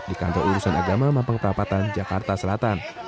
di kantor urusan agama mampang perapatan jakarta selatan